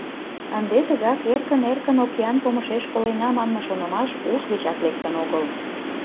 Ынде тыгак эркын-эркын океан помышеш колена манме шонымаш уш гычак лектын огыл.